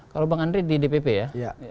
kalau bang andri di dpp ya